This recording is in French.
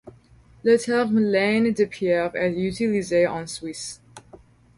Le terme laine de pierre est utilisé en Suisse.